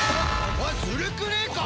おいズルくねえか？